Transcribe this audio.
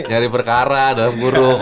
nyari perkara dalam ngurung